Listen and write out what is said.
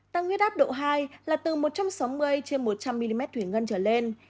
tăng huyết áp độ hai là từ một trăm sáu mươi trên một trăm linh mm thủy ngân trở lên